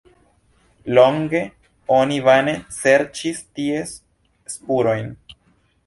Longe oni vane serĉis ties spurojn.